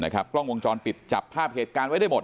กล้องวงจรปิดจับภาพเหตุการณ์ไว้ได้หมด